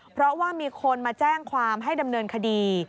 เพราะว่ามีคนมาแจ้งความให้ดำเนินคดี